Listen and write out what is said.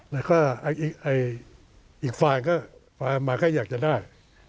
และข้าอ่ะอีกฝ่ายเหมือนก็อยากจะได้